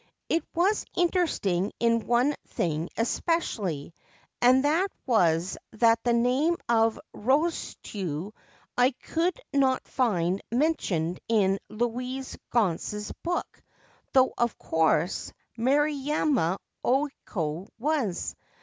It was interesting in one thing especially, and that was that the name of Rosetsu I could not find mentioned in Louis Gonse's book, though, of course, Maruyama Okyo was.